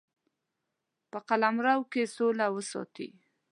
په قلمرو کې سوله وساتي.